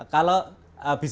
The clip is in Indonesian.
kalau dibayangkan sulit bagaimana